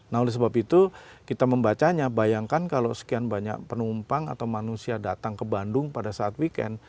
nah oleh sebab itu kita membacanya bayangkan kalau sekian banyak penumpang atau manusia datang ke bandung pada saat weekend